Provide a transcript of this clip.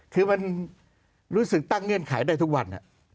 คือมันรู้สึกตั้งเงื่อนไขได้ทุกวัน